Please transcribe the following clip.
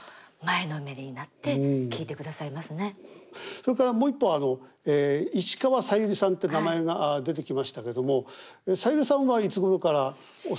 それからもう一方石川さゆりさんって名前が出てきましたけどもさゆりさんはいつごろからお好きだったんです？